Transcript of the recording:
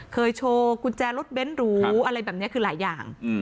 โชว์กุญแจรถเบ้นหรูอะไรแบบนี้คือหลายอย่าง